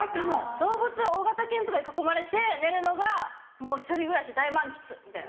動物大型犬とかに囲まれて寝るのがひとり暮らし大満喫みたいな。